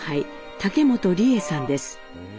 竹本里恵さんです。